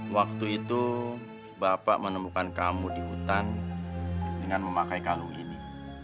waktu itu bapak menemukan kamu di hutan dengan memakai kalung ini